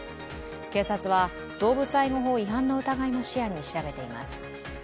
警察は動物愛護法違反の疑いも視野に調べています。